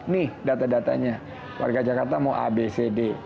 nih data datanya warga jakarta mau a b c d